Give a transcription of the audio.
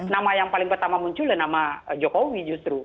nama yang paling pertama munculnya nama jokowi justru